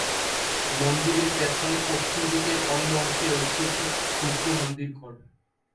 মন্দিরের পেছনে, পশ্চিম দিকের অন্য অংশে রয়েছে একটি ক্ষুদ্র মন্দির ঘর।